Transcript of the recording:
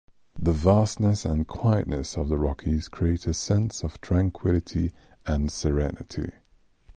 The vastness and quietness of the Rockies create a sense of tranquility and serenity.